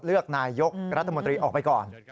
เลือกยกรัฐมนุนโนมนาออกไปก่อน